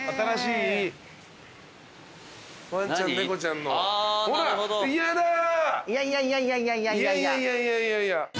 いやいやいやいや。